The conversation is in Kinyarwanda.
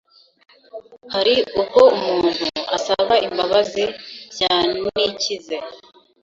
Hari ubwo umuntu asaba imbabazi bya nikize